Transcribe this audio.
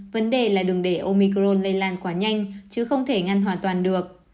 vấn đề là đường để omicron lây lan quá nhanh chứ không thể ngăn hoàn toàn được